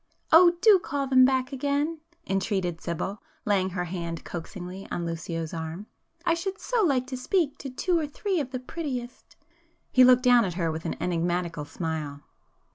"Oh do call them back again!" entreated Sibyl, laying her hand coaxingly on Lucio's arm,—"I should so like to speak to two or three of the prettiest!" He looked down at her with an enigmatical smile.